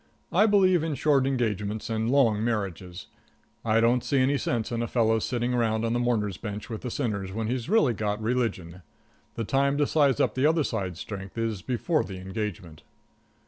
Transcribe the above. I believe in short engagements and long marriages. I don't see any sense in a fellow's sitting around on the mourner's bench with the sinners, after he's really got religion. The time to size up the other side's strength is before the engagement.